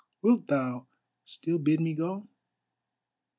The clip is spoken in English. Wilt thou still bid me go?"